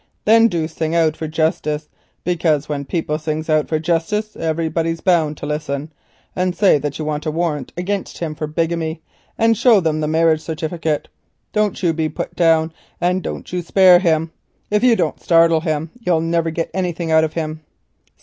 Thin do you sing out for justice, because when people sings out for justice everybody's bound to hearken, and say how as you wants a warrant agin him for bigamy, and show them the marriage lines. Don't you be put down, and don't you spare him. If you don't startle him you'll niver get northing out of him."